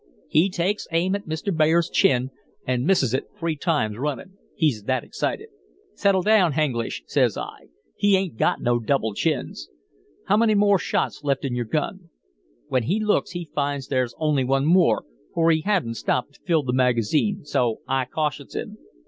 "He takes aim at Mr. Bear's chin and misses it three times runnin', he's that excited. "'Settle down, H'Anglish,' says I. 'He 'ain't got no double chins. How many shells left in your gun?'" When he looks he finds there's only one more, for he hadn't stopped to fill the magazine, so I cautions him.